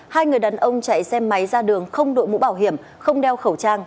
hai người đàn ông chạy xe máy ra đường không đội mũ bảo hiểm không đeo khẩu trang